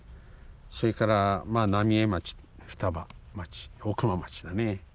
それから浪江町双葉町大熊町だね。